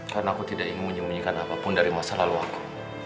karena aku tidak ingin menyembunyikan apa pun dari masa lalu aku